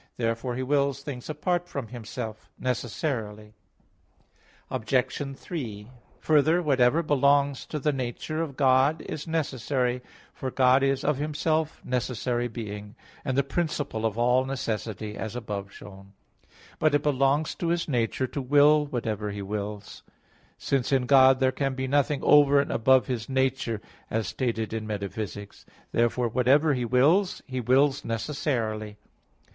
Therefore He wills things apart from Himself necessarily. Obj. 3: Further, whatever belongs to the nature of God is necessary, for God is of Himself necessary being, and the principle of all necessity, as above shown (Q. 2, A. 3). But it belongs to His nature to will whatever He wills; since in God there can be nothing over and above His nature as stated in Metaph. v, 6. Therefore whatever He wills, He wills necessarily.